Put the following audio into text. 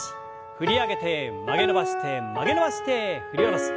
振り上げて曲げ伸ばして曲げ伸ばして振り下ろす。